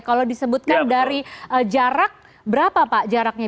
kalau disebutkan dari jarak berapa pak jaraknya